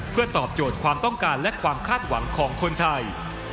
เพื่อตอบโจทย์ความต้องการและความคาดหวังของคนไทย